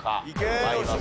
参ります。